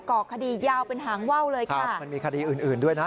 ก่อคดียาวเป็นหางว่าวเลยครับมันมีคดีอื่นอื่นด้วยนะ